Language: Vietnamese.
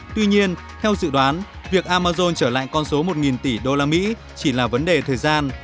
tuy nhiên theo dự đoán việc amazon trở lại con số một tỷ usd chỉ là vấn đề thời gian